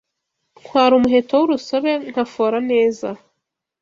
Ntwara umuheto w'urusobe nkafora neza